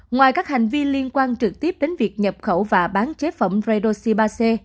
ngoài các hành vi liên quan trực tiếp đến việc nhập khẩu và bán chế phẩm redoxi ba c